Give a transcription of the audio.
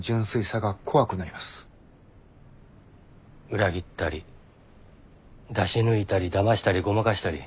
裏切ったり出し抜いたりだましたりごまかしたり。